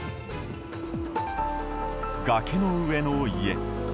崖の上の家。